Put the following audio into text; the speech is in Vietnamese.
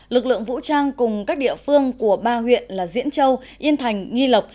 lực lượng vũ trang cùng các địa phương của ba huyện là diễn châu yên thành nghi lộc